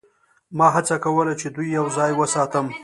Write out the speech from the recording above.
ما هڅه کوله چې دوی یوځای وساتم